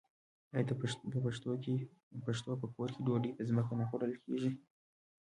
آیا د پښتنو په کور کې ډوډۍ په ځمکه نه خوړل کیږي؟